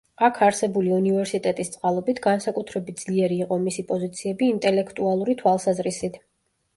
აქ არსებული უნივერსიტეტის წყალობით, განსაკუთრებით ძლიერი იყო მისი პოზიციები ინტელექტუალური თვალსაზრისით.